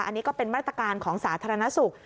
อันนี้ก็เป็นมาตรการของสาธารณสุข